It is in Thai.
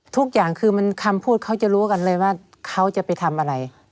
ทุกอย่างคือมันคำพูดเขาจะรู้กันเลยว่าเขาจะไปทำอะไร